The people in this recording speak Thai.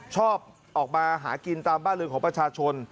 ชอบออกมาหากินตามบ้านเรือนของประชาชน